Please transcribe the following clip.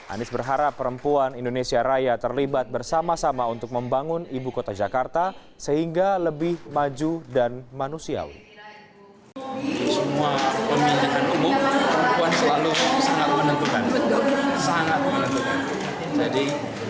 anies berharap perempuan indonesia raya terlibat bersama sama untuk membangun ibu kota jakarta sehingga lebih maju dan manusiawi